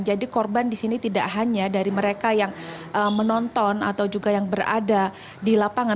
jadi korban di sini tidak hanya dari mereka yang menonton atau juga yang berada di lapangan